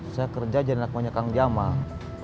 saya kerja jadi anaknya kang jamal